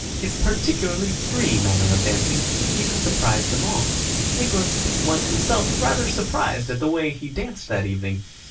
His particularly free manner of dancing even surprised them all. Nicholas was himself rather surprised at the way he danced that evening.